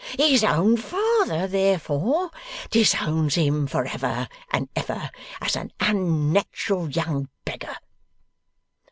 His own father therefore, disowns him for ever and ever, as a unnat'ral young beggar.